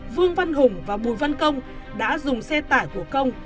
vương văn hùng và bùi văn công đã dùng xe tải của công